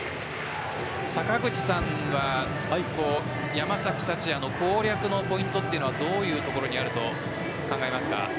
坂口さんは山崎福也の攻略のポイントはどういうところにあると考えますか？